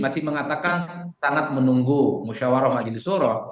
masih mengatakan sangat menunggu musyawarah majlisoro